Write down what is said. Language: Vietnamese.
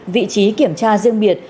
vị trí kiểm tra riêng biệt